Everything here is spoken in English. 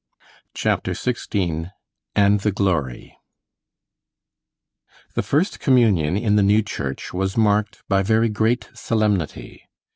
CHAPTER XVI AND THE GLORY The first communion in the new church was marked by very great solemnity.